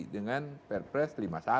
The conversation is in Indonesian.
dengan perpres lima puluh satu